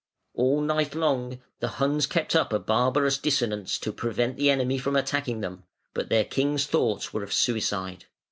All night long the Huns kept up a barbarous dissonance to prevent the enemy from attacking them, but their king's thoughts were of suicide.